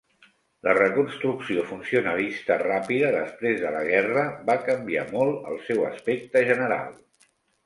La reconstrucció funcionalista ràpida després de la guerra va canviar molt el seu aspecte general.